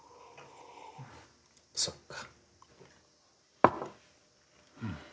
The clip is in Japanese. そっか。